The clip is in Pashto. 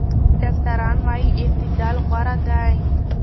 ډاکټران وايي اعتدال غوره دی.